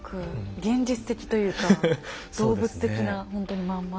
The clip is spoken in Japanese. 現実的というか動物的なほんとにまんまの。